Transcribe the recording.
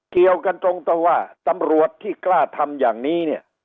เกี่ยวกันตรงว่าตำรวจที่กล้าทำอย่างนี้เนี่ย